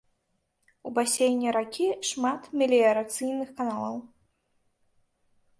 У басейне ракі шмат меліярацыйных каналаў.